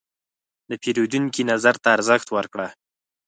د پیرودونکي نظر ته ارزښت ورکړه.